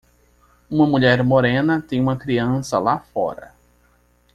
Uma mulher morena tem uma criança lá fora.